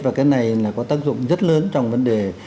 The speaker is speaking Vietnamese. và cái này là có tác dụng rất lớn trong vấn đề